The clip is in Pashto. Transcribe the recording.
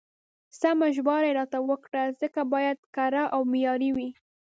سمه ژباړه يې راته وکړه، ځکه بايد کره او معياري وي.